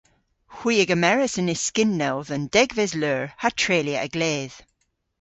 Hwi a gemeras an yskynnell dhe'n degves leur ha treylya a-gledh.